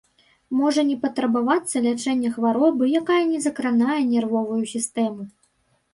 Можа не патрабавацца лячэнне хваробы, якая не закранае нервовую сістэму.